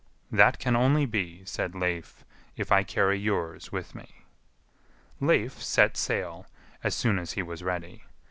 "That can only be," said Leif, "if I carry yours with me." Leif set sail as soon as he was ready.